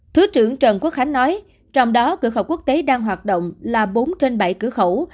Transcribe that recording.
thứ trưởng trần quốc khánh nói trong đó cửa khẩu quốc tế đang hoạt động là bốn trên bảy cửa khẩu